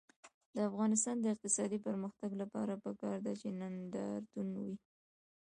د افغانستان د اقتصادي پرمختګ لپاره پکار ده چې نندارتون وي.